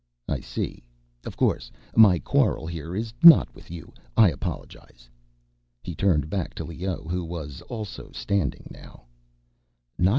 "I see. Of course. My quarrel here is not with you. I apologize." He turned back to Leoh, who was also standing now.